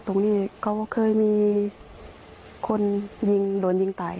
ว่าตรงนี้เคยมีคนยิงโดนยิงตาย